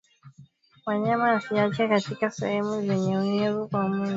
Wanyama wasiachwe katika sehemu zenye unyevu kwa muda mrefu